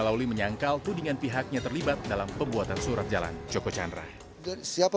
lauli menyangkal tudingan pihaknya terlibat dalam pembuatan surat jalan joko chandra siapa